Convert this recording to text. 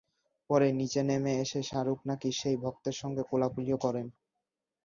পরে নিচে নেমে এসে শাহরুখ নাকি সেই ভক্তের সঙ্গে কোলাকুলিও করেন।